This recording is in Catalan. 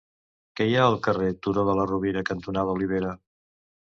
Què hi ha al carrer Turó de la Rovira cantonada Olivera?